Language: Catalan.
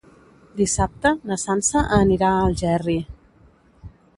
Dissabte na Sança anirà a Algerri.